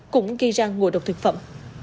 cũng gây ra ngộ độc thực phẩm